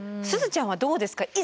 すずちゃんはどうですか？